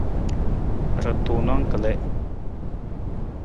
Ra tunang kalii.